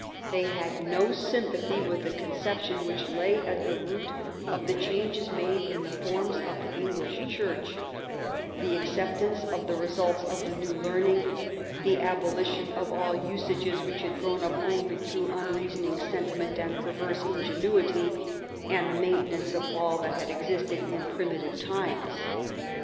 They had no sympathy with the concep tion which lay at the root of the changes made in the forms of the English Church — the acceptance of the results of the New Learning, the abolition of all usages which had grown up only through unreasoning sentiment and perverse ingenuity, and the mainten ance of all that had existed in primitive times.